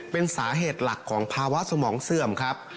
เป็นสาเหตุหลักของภาวะสมองเสื่อมครับ